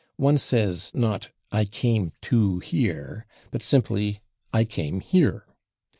One says, not "I came /to here/," but simply "I came /here